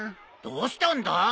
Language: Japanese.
どうしたんだ？